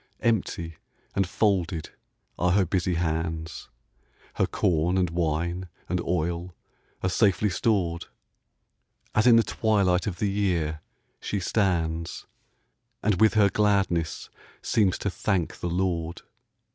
Empty and folded are her busy hands; Her corn and wine and oil are safely stored, As in the twilight of the year she stands, And with her gladness seems to thank the Lord.